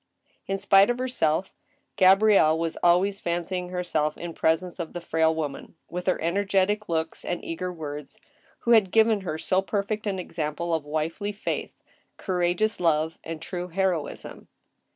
In spite of herself, Gabrielle was always fancying herself in pres ence of the frail woman, with her energetic looks and eager words, who had given her so perfect an example of wifely faith, courageous love, and true heroism.